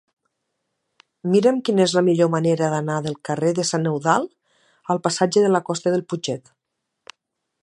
Mira'm quina és la millor manera d'anar del carrer de Sant Eudald al passatge de la Costa del Putxet.